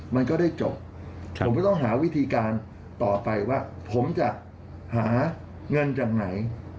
มันก็ได้จบผมก็ต้องหาวิธีการต่อไปว่าผมจะหาเงินจากไหน